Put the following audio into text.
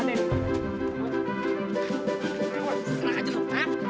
buk ini lah bu